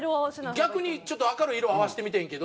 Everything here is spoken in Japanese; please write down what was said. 逆にちょっと明るい色を合わせてみてんけど。